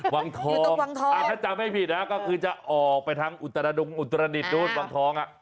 อ๋อวังทองถ้าจำไม่ผิดนะก็คือจะออกไปทั้งอุตรนิดอุตรนิดนู้นวังทอง